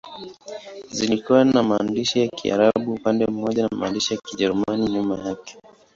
Zilikuwa na maandishi ya Kiarabu upande mmoja na maandishi ya Kijerumani nyuma yake.